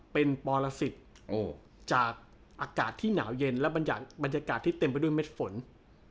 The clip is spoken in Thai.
เป็นปรสิทธิ์จากอากาศที่หนาวเย็นและบรรยากาศที่เต็มไปด้วยเม็ดฝน